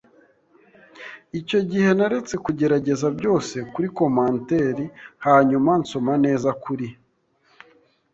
Icyo gihe naretse kugerageza byose kuri commentaire hanyuma nsoma neza kuri: